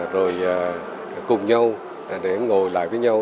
rồi cùng nhau để ngồi lại với nhau